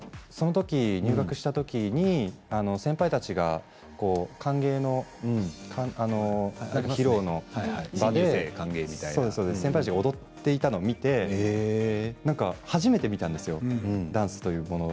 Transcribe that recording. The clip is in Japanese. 入学したときに先輩たちが歓迎の、披露のとき先輩たちが踊っていたのを見て初めて見たんですよ、ダンスというもの。